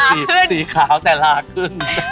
มันคือสีขาวแต่ลาขึ้น